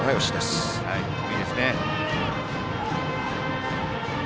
いいですね。